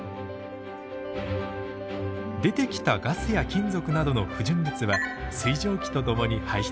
出てきたガスや金属などの不純物は水蒸気とともに排出。